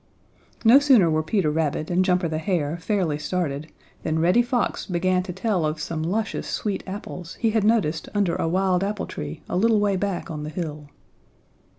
No sooner were Peter Rabbit and Jumper the Hare fairly started than Reddy Fox began to tell of some luscious sweet apples he had noticed under a wild apple tree a little way back on the hill.